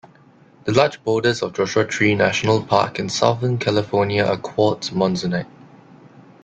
The large boulders of Joshua Tree National Park in southern California are quartz monzonite.